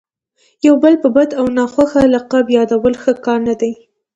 یو بل په بد او ناخوښه لقب یادول ښه کار نه دئ.